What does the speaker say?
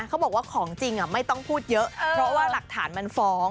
เขาบอกว่าของจริงไม่ต้องพูดเยอะเพราะว่าหลักฐานมันฟ้อง